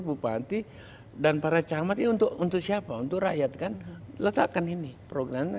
bapak bupati dan para camati untuk untuk siapa untuk rakyat kan letakkan ini programnya